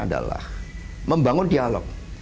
adalah membangun dialog